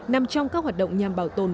nằm trong các hoạt động nhàm bảo tồn